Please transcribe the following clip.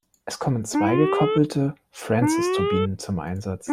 Es kommen zwei gekoppelte Francisturbinen zum Einsatz.